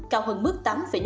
cao hơn mức tám năm